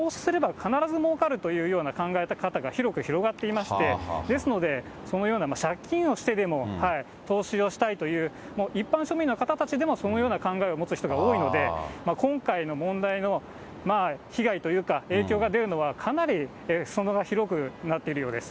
必ずもうかるというような考え方が広く広がっていまして、ですので、そのような借金をしてでも投資をしたいという、一般庶民の方たちでもそのような考えを持つ人が多いので、今回の問題の被害というか、影響が出るのは、かなりすそ野が広くなっているようです。